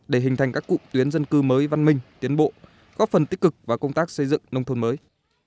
để hình thành các cụm tuyến dân cư mới văn minh tiến bộ góp phần tích cực và công tác xây dựng nông thôn mới